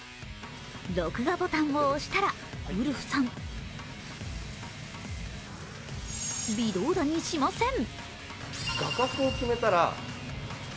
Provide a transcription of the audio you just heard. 録画ボタンを押したらウルフさん微動だにしません。